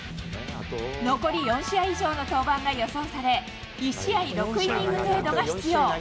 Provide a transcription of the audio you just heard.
残り４試合以上の登板が予想され、１試合６イニング程度が必要。